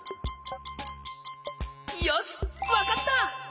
よしわかった！